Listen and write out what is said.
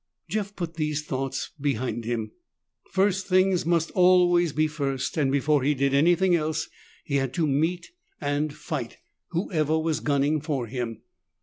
Jeff put these thoughts behind him. First things must always be first, and before he did anything else he had to meet, and fight, whoever was gunning for him.